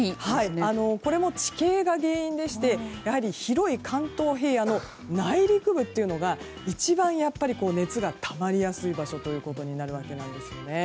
これも地形が原因でして広い関東平野の内陸部が一番熱がたまりやすい場所となるわけです。